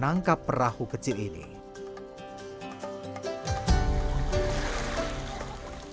jip ini juga bisa diatur sesuai kehendak pemain